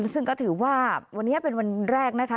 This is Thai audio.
ซึ่งก็ถือว่าวันนี้เป็นวันแรกนะคะ